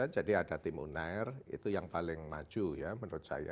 jadi ada tim unair itu yang paling maju ya menurut saya